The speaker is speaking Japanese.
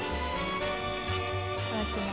いただきます。